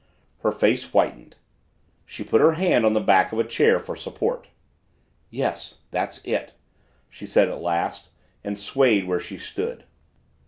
Her face whitened. She put her hand on the back of a chair for support. "Yes that's it," she said at last, and swayed where she stood.